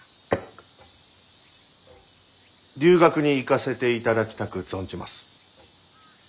留学に行かせていただきたく存じます。